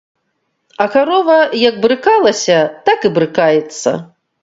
А карова як брыкалася, так і брыкаецца.